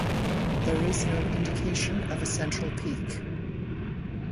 There is no indication of a central peak.